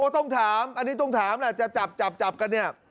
ต้องถามอันนี้ต้องถามแหละจะจับจับกันเนี่ย